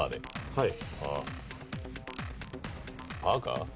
はい。